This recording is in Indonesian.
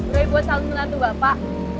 roy buat calon mertuanya itu bapak